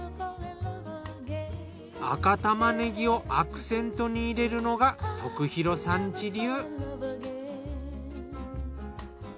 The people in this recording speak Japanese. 赤玉ねぎをアクセントに入れるのが徳弘さん家流。